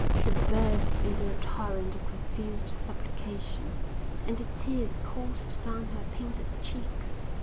She burst into a torrent of confused supplication and the tears coursed down her painted cheeks.